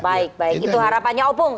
baik baik itu harapannya opung